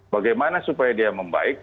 bagaimana supaya dia membaik